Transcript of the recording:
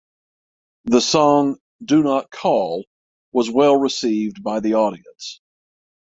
The song "Do Not Call" was well received by the audience.